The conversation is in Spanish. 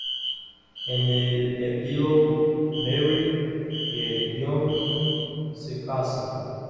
En el epílogo, Meryl y Johnny se casan.